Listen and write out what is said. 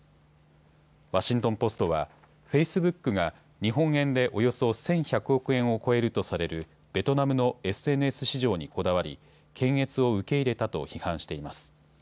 ワシントン・ポストはフェリスブックが日本円でおよそ１１００億円を超えるとされるベトナムのＳＮＳ市場にこだわり検閲を受け入れたと批判しています。